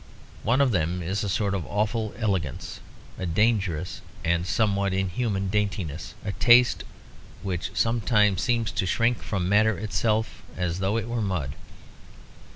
One of them is a sort of awful elegance; a dangerous and somewhat inhuman daintiness of taste which sometimes seems to shrink from matter itself, as though it were mud.